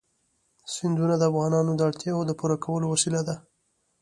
سیندونه د افغانانو د اړتیاوو د پوره کولو وسیله ده.